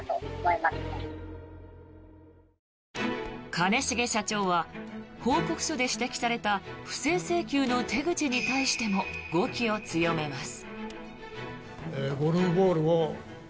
兼重社長は報告書で指摘された不正請求の手口に対しても語気を強めます。